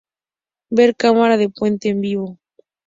Ver cámara de Puente en vivo.